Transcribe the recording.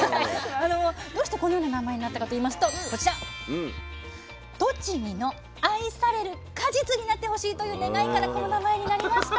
どうしてこのような名前になったかといいますとこちらになってほしいという願いからこの名前になりました。